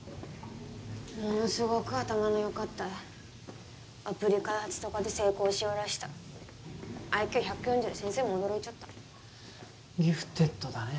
ものすごく頭のよかったいアプリ開発とかで成功しよらしたＩＱ１４０先生も驚いちょったギフテッドだね